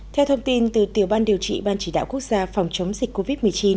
theo thông tin từ tiểu ban điều trị ban chỉ đạo quốc gia phòng chống dịch covid một mươi chín